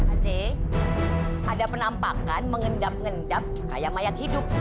andre ada penampakan mengendap endap kayak mayat hidup